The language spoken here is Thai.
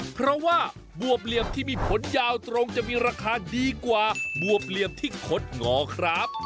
เพราะว่าบวบเหลี่ยมที่มีผลยาวตรงจะมีราคาดีกว่าบวบเหลี่ยมที่คดงอครับ